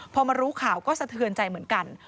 พอมารู้ข่าวก็สะเทือนใจเหมือนกัน